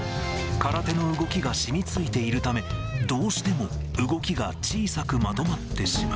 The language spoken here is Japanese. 空手の動きがしみついているため、どうしても動きが小さくまとまってしまう。